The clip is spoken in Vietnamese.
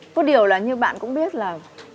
có điều là như bạn cũng biết là